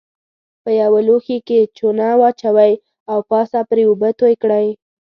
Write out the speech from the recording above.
په یوه لوښي کې چونه واچوئ او پاسه پرې اوبه توی کړئ.